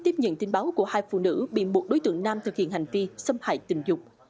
tiếp nhận tin báo của hai phụ nữ bị một đối tượng nam thực hiện hành vi xâm hại tình dục